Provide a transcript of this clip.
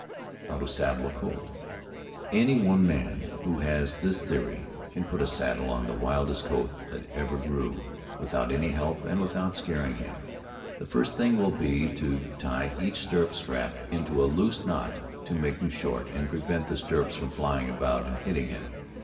HOW TO SADDLE A COLT. Any one man, who has this theory, can put a saddle on the wildest colt that ever grew, without any help, and without scaring him. The first thing will be to tie each stirrup strap into a loose knot to make them short, and prevent the stirrups from flying about and hitting him.